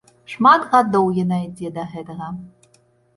Шмат гадоў яна ідзе да гэтага.